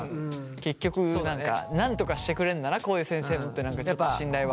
結局なんとかしてくれるんだなこういう先生ってちょっと信頼は。